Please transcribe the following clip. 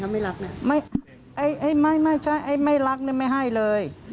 ไม่รักไม่ใช่ไม่รักไม่ให้เลย